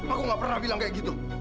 aku gak pernah bilang kayak gitu